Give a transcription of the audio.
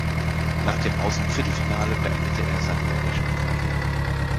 Nach dem Aus im Viertelfinale beendete er seine Länderspielkarriere.